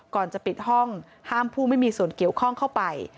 ก่อนจะปิดห้องห้ามผู้ไม่มีส่วนเกี่ยวข้องเข้าไป